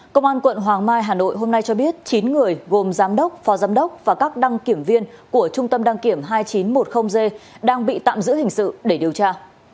công an quận hoàng mai hà nội hôm nay cho biết chín người gồm giám đốc phó giám đốc và các đăng kiểm viên của trung tâm đăng kiểm hai nghìn chín trăm một mươi g đang bị tạm giữ hình sự để điều tra